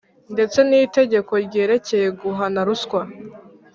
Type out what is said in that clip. ndetse n’itegeko ryerekeye guhana ruswa ;